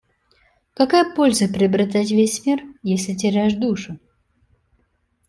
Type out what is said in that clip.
Какая польза приобретать весь мир, если теряешь душу?